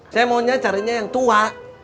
saya maunya carinya yang tua